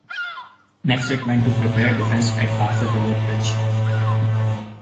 Next it went to prepare defences at Kaffir River Bridge.